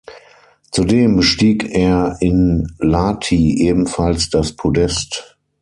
Zudem bestieg er in Lahti ebenfalls das Podest.